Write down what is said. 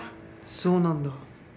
そうなんだ。